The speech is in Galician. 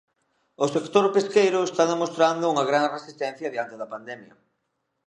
O sector pesqueiro está demostrando unha gran resistencia diante da pandemia.